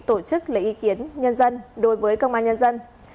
tổ chức lấy ý kiến nhân dân đối với công an nhân dân